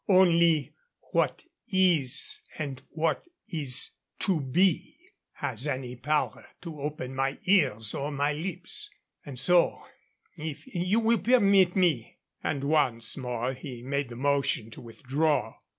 Only what is and what is to be has any power to open my ears or my lips. And so, if you will permit me," and once more he made the motion to withdraw.